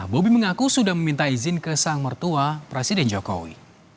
bobi mengaku sudah meminta izin ke sang mertua presiden jokowi